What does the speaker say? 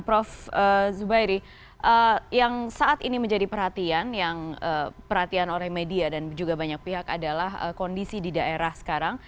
prof zubairi yang saat ini menjadi perhatian yang perhatian oleh media dan juga banyak pihak adalah kondisi di daerah sekarang